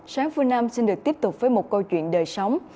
sáng phương nam xin được tiếp tục với một câu chuyện đời sống